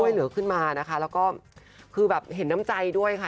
เหลือขึ้นมานะคะแล้วก็คือแบบเห็นน้ำใจด้วยค่ะ